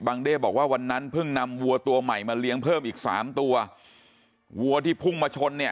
เด้บอกว่าวันนั้นเพิ่งนำวัวตัวใหม่มาเลี้ยงเพิ่มอีกสามตัววัวที่พุ่งมาชนเนี่ย